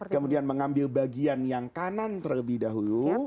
kemudian mengambil bagian yang kanan terlebih dahulu